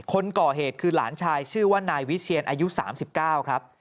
คนก่อเหตุคือหลานชายชื่อว่านายวิเชียนอายุ๓๙ครับ